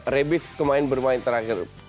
rebis pemain permain terakhir